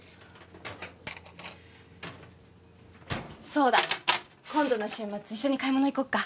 そうだ。今度の週末一緒に買い物行こっか。